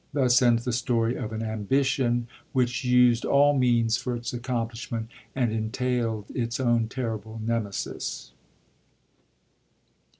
Thus ends the story of an ambition which used all means for its accomplishment, and entaild its own terrible Nemesis.